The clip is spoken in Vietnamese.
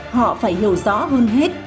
họ phải hiểu rõ hơn hết